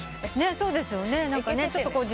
そうですね。